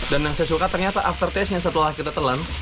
dan yang saya suka ternyata after taste nya setelah kita telan